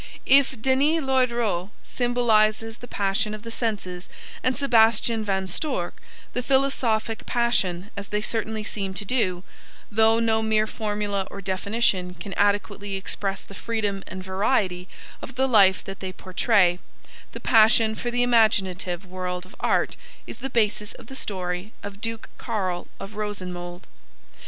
If Denys l'Auxerrois symbolises the passion of the senses and Sebastian Van Storck the philosophic passion, as they certainly seem to do, though no mere formula or definition can adequately express the freedom and variety of the life that they portray, the passion for the imaginative world of art is the basis of the story of Duke Carl of Rosenmold.